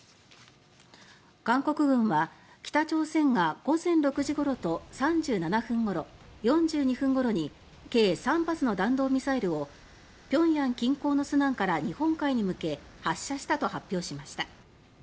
韓国軍は北朝鮮が午前６時ごろと３７分ごろ４２分ごろに計３発の弾道ミサイルを平壌近郊の順安から日本海に向け、発射したと発表しました。